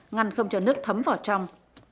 ngăn không cho nước thấm vào trong